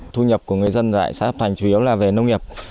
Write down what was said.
thu nhập của người dân tại xã áp thành chủ yếu là về nông nghiệp